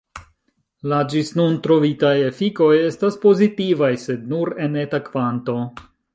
La ĝis nun trovitaj efikoj estas pozitivaj, sed nur en eta kvanto.